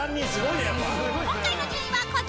［今回の順位はこちら］